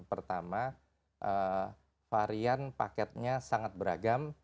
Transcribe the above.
pertama varian paketnya sangat beragam